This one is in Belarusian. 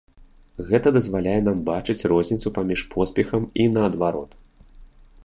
Гэта дазваляе нам бачыць розніцу паміж поспехам і наадварот.